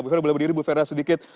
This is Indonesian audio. ibu fera boleh berdiri sedikit